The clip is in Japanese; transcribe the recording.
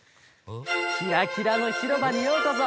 キラキラのひろばにようこそ。